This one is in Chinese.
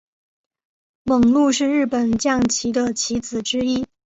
猛鹿是日本将棋的棋子之一。